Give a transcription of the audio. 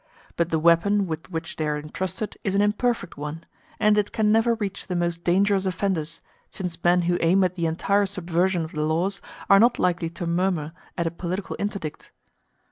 But the weapon with which they are intrusted is an imperfect one, and it can never reach the most dangerous offenders, since men who aim at the entire subversion of the laws are not likely to murmur at a political interdict.